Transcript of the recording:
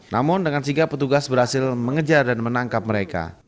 namun dengan sigap petugas berhasil mengejar dan menangkap mereka